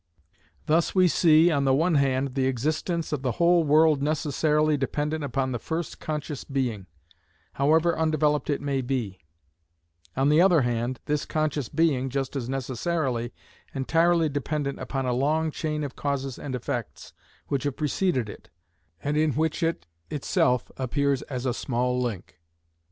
Thus we see, on the one hand, the existence of the whole world necessarily dependent upon the first conscious being, however undeveloped it may be; on the other hand, this conscious being just as necessarily entirely dependent upon a long chain of causes and effects which have preceded it, and in which it itself appears as a small link.